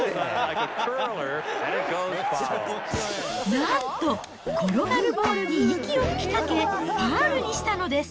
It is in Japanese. なんと、転がるボールに息を吹きかけ、ファウルにしたのです。